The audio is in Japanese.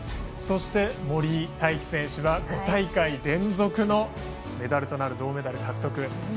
そして森井大輝選手は５大会連続のメダルとなる銅メダル獲得。